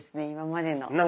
今までの。